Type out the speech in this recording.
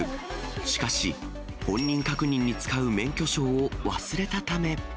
しかし、本人確認に使う免許証を忘れたため。